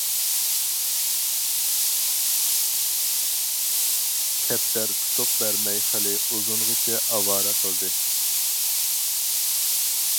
كەپتەر تۇتۇق بەرمەي خېلى ئۇزۇنغىچە ئاۋارە قىلدى.